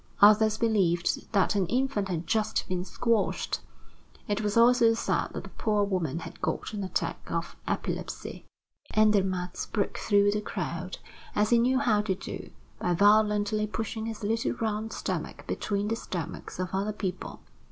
Others believed that an infant had just been squashed. It was also said that a poor woman had got an attack of epilepsy. Andermatt broke through the crowd, as he knew how to do, by violently pushing his little round stomach between the stomachs of other people.